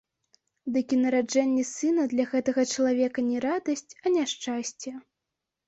Дык і нараджэнне сына для гэтага чалавека не радасць, а няшчасце.